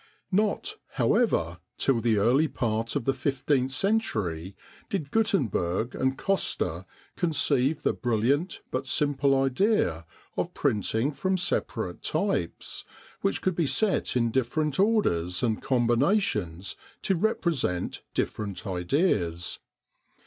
Not, however, till the early part of the fifteenth century did Gutenberg and Coster conceive the brilliant but simple idea of printing from separate types, which could be set in different orders and combinations to represent different ideas.